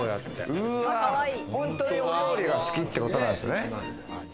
本当にお料理が好きってことなんですね。